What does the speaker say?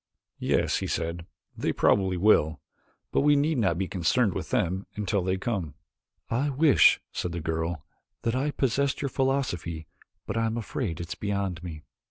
"Yes," he said, "they probably will. But we need not be concerned with them until they come." "I wish," said the girl, "that I possessed your philosophy but I am afraid it is beyond me."